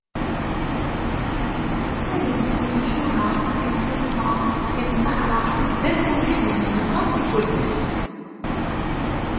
Ttmalen-d timucuha, timseḍsa, timseɛraq, d akud iḥemmlen aṭas yigerdan.